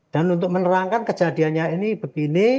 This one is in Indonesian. dan untuk menerangkan kejadiannya ini begini